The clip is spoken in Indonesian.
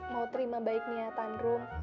mau terima baik niatan rum